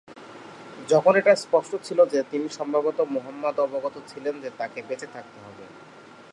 যখন এটা স্পষ্ট ছিল যে, তিনি সম্ভবত মুহাম্মদ অবগত ছিলেন যে তাকে বেঁচে থাকতে হবে।